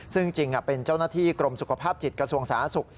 ซึ่งจริงเป็นเจ้าหน้าที่กรมสุขภาพจิตกระทรวงสาธารณสุข